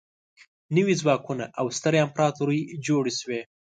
نوي ځواکونه او سترې امپراطورۍ جوړې شوې.